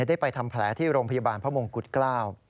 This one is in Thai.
ได้ไปทำแผลที่โรงพยาบาลพระมงกุฎเกล้า